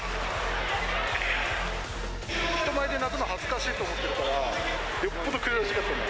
人前で泣くの恥ずかしいと思ってるから、よっぽど悔しかった。